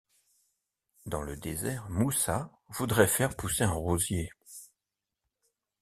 Dans le désert, Moussa voudrait faire pousser un rosier...